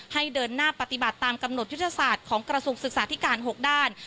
ให้เดินหน้าปฏิบัติตามกำหนดยุทธศาสตร์ของกระทรวงศึกษาธิการ๖ด้าน